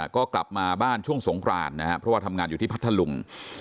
ก็กลับมาบ้านช่วงสงครานนะครับเพราะว่าทำงานอยู่ที่พัทธลุง